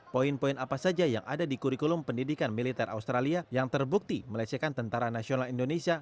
poin poin apa saja yang ada di kurikulum pendidikan militer australia yang terbukti melecehkan tentara nasional indonesia